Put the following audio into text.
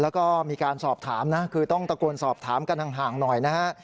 แล้วก็มีการสอบถามนะคือต้องตะโกนสอบถามกันห่างหน่อยนะฮะ